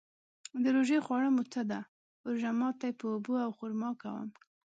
د روژې خواړه مو څه ده؟ روژه ماتی په اوبو او خرما کوم